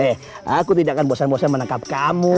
eh aku tidak akan bosan bosan menangkap kamu